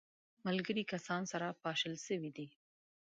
ملګري کسان سره پاشل سوي دي.